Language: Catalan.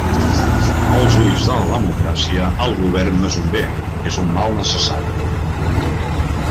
Als ulls de la democràcia, el govern no és un bé, és un mal necessari.